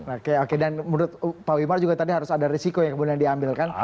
menurut pak wimar juga tadi harus ada risiko yang kemudian diambilkan